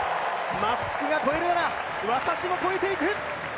マフチクが越えるなら私も越えていく。